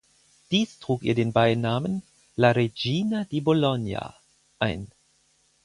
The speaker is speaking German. Dies trug ihr den Beinamen "La Regina di Bologna" ein.